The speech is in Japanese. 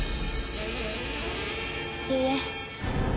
いいえ。